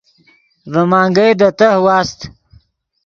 ڤے منگئے دے تہہ واست